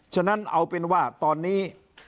ฉะนั้นเอาเป็นว่าตอนนี้